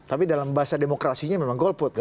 tapi dalam bahasa demokrasinya memang golput tuh